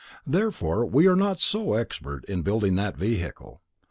Therefore we are not so expert in building that vehicle.